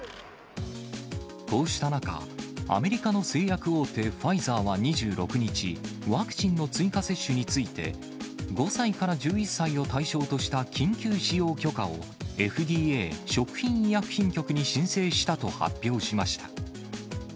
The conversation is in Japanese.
こうした中、アメリカの製薬大手、ファイザーは２６日、ワクチンの追加接種について、５歳から１１歳を対象とした緊急使用許可を、ＦＤＡ・食品医薬品局に申請したと発表しました。